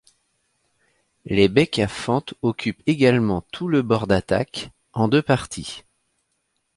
Les becs à fente occupent également tout le bord d'attaque, en deux parties.